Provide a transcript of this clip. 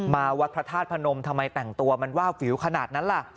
วัดพระธาตุพนมทำไมแต่งตัวมันว่าฝิวขนาดนั้นล่ะ